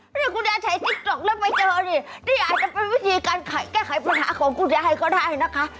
นี่คุณยายใช้ติ๊กต๊อกแล้วไปเจอดินี่อาจจะเป็นวิธีการแก้ไขปัญหาของคุณยายก็ได้นะคะ